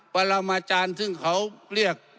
ปรามาจารย์ซึ่งเขาเรียก